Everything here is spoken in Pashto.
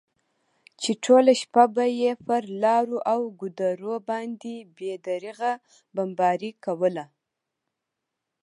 چې ټوله شپه به یې پر لارو او ګودرو باندې بې درېغه بمباري کوله.